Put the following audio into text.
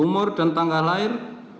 umur dan tanggal lahir